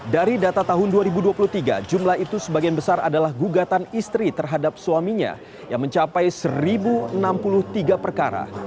dari data tahun dua ribu dua puluh tiga jumlah itu sebagian besar adalah gugatan istri terhadap suaminya yang mencapai satu enam puluh tiga perkara